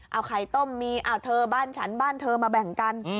เอาไข่ต้มมีเอาเธอบ้านฉันบ้านเธอมาแบ่งกัน